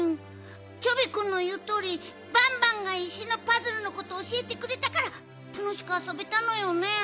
チョビくんのいうとおりバンバンが石のパズルのことをおしえてくれたからたのしくあそべたのよね。